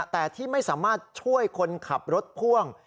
แต่ที่ไม่สามารถช่วยคนขับรถพ่วง